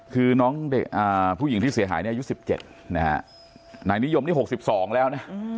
คือน้องผู้หญิงที่เสียหายอายุสิบเจ็ดนายนิยม๖๒แล้ว